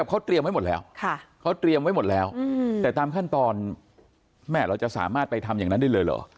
เขาเตรียมไว้หมดแล้วแต่ตามขั้นตอนแม่เราจะสามารถไปทำอย่างนั้นได้เลยเหรอ